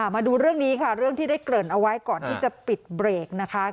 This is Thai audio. มาดูเรื่องนี้ค่ะเรื่องที่ได้เกริ่นเอาไว้ก่อนที่จะปิดเบรกนะคะ